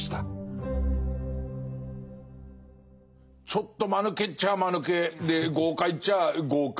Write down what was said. ちょっとまぬけっちゃあまぬけで豪快っちゃあ豪快。